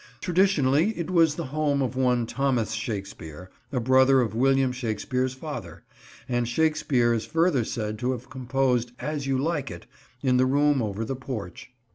Traditionally, it was the home of one Thomas Shakespeare, a brother of William Shakespeare's father; and Shakespeare is further said to have composed As You Like It in the room over the porch.